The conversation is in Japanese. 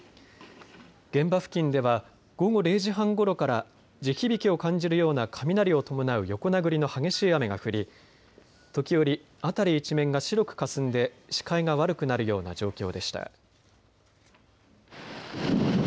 現場付近では午後０時半ごろから地響きを感じるような雷を伴う横殴りの激しい雨が降り時折、辺り一面が白くかすんで視界が悪くなるような状況でした。